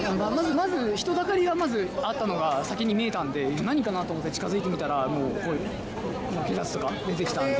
まず人だかりがまずあったのが先に見えたので、何かなと思って近づいてみたら、もう警察とか出てきたんで。